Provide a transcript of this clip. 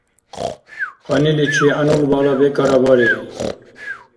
Кьаниличи гӀянулбала бекӀара барира.